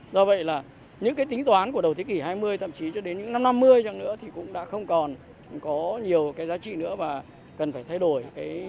do vậy là những cái tính toán của đầu thế kỷ hai mươi thậm chí cho đến những năm năm mươi chẳng nữa thì cũng đã không còn có nhiều cái giá trị nữa và cần phải thay đổi